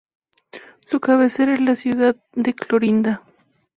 Su cabecera es la ciudad de Clorinda.